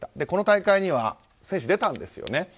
この大会には選手、出たんですよね。